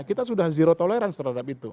kita sudah zero tolerance terhadap itu